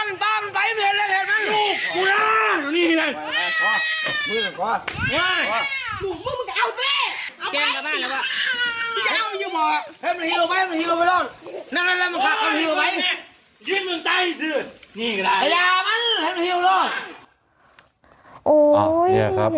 นี่แหละ